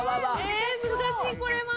難しいこれは。